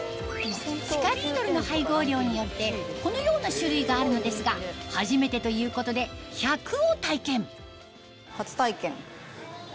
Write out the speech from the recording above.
シカリードルの配合量によってこのような種類があるのですが初めてということで１００を体験初体験。